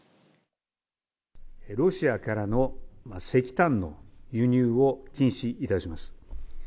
ロシアからの石炭の輸入を禁止いたします。